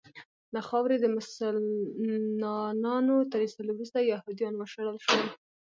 له خاورې د مسلنانو تر ایستلو وروسته یهودیان وشړل شول.